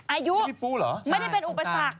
อายุไม่ได้เป็นอุปสรรค